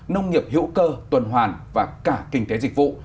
nông nghiệp hữu cơ tuần hoàn và cả kinh tế dịch vụ